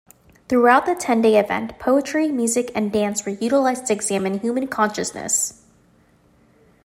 Throughout the ten-day event, poetry, music, and dance were utilized to examine human consciousness.